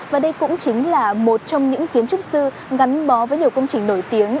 và đây cũng chính là một trong những kiến trúc sư ngắn bó với nhiều công trình nổi tiếng